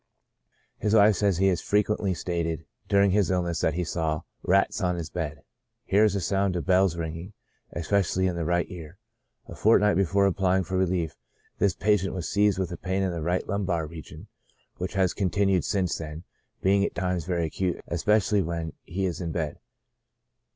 His wife says he has fre quently stated, during his illness, that he saw rats on his bed ; hears a sound of bells ringing, especially in the right ear. A fortnight before applying for relief, this patient was seized with a pain in the right lumbar region, which has continued since then, being at times very acute, especially when he is in bed.